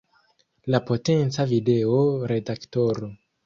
La potenca video redaktoro.